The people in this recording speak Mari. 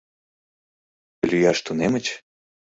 Лӱяш тунемыч?